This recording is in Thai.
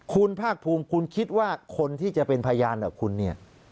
คุณภาคภูมิคุณคิดว่าคนที่จะเป็นพยานกับคุณเนี่ย